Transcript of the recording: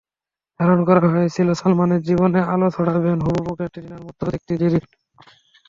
ধারণা করা হয়েছিল, সালমানের জীবনে আলো ছড়াবেন হুবহু ক্যাটরিনার মতো দেখতে জেরিন।